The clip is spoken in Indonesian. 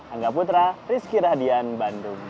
angga putra rizky radian bandung